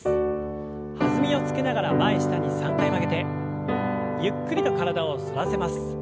弾みをつけながら前下に３回曲げてゆっくりと体を反らせます。